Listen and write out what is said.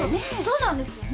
そうなんですよ。